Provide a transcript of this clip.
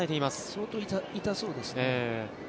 相当痛そうですね。